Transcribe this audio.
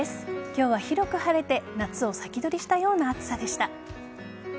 今日は広く晴れて夏を先取りしたような暑さでした。